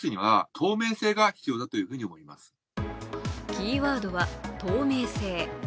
キーワードは透明性。